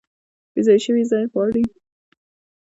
بیځایه شوي ځای غواړي